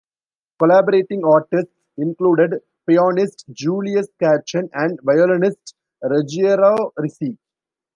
Collaborating artists included pianist Julius Katchen and violinist Ruggiero Ricci.